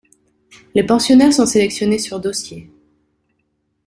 Les pensionnaires sont sélectionnés sur dossier.